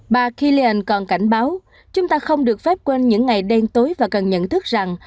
bà kellian còn cảnh báo chúng ta không được phép quên những ngày đen tối và cần nhận thức rằng